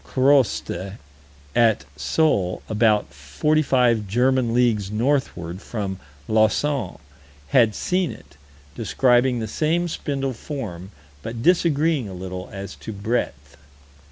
Croste, at Sole, about forty five German leagues northward from Lausanne, had seen it, describing the same spindle form, but disagreeing a little as to breadth.